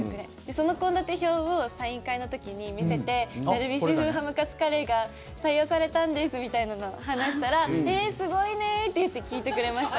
その献立表をサイン会の時に見せてダルビッシュ風ハムカツカレーが採用されたんですみたいなのを話したらへー、すごいね！って言って聞いてくれました。